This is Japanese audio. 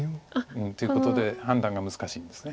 っていうことで判断が難しいんです。